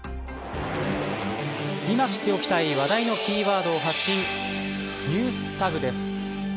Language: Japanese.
今知っておきたい話題のキーワードを発信ＮｅｗｓＴａｇです。